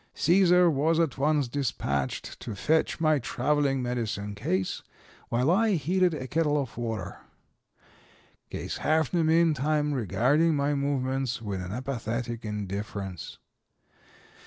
Cæsar was at once dispatched to fetch my traveling medicine case, while I heated a kettle of water. Case Haffner meantime regarding my movements with an apathetic indifference.